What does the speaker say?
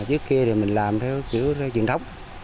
trước kia mình làm theo kiểu truyền thống